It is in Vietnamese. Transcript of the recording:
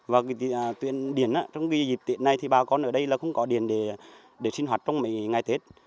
và tuyển điện trong dịp tuyển này bà con ở đây không có điện để sinh hoạt trong mấy ngày tết